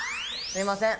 すみません